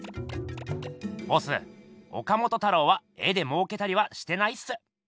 ボス岡本太郎は絵でもうけたりはしてないっす。